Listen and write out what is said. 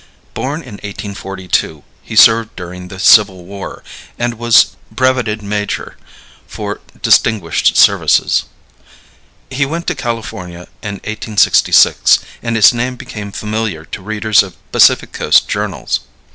Born in 1842, he served during the Civil War, and was brevetted major for distinguished services. He went to California in 1866, and his name became familiar to readers of Pacific Coast journals.